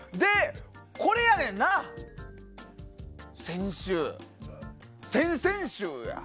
これやねんな、先週先々週や。